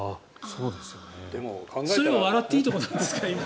そういうの笑っていいところなんですか？